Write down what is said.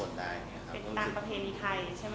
เป็นตามประเพณีไทยใช่ไหม